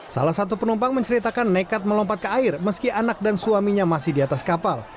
salah satu penumpang menceritakan nekat melompat ke air meski anak dan suaminya masih di atas kapal